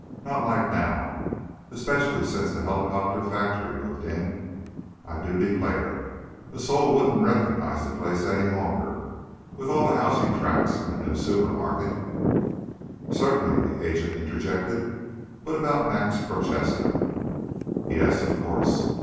"Not like now, especially since the helicopter factory moved in. I do declare, a soul wouldn't recognize the place any longer, with all the housing tracts and the new supermarket " "Certainly," the agent interjected, "but about Max Prochaska." "Yes, of course."